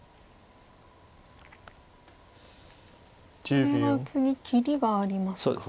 これは次切りがありますか。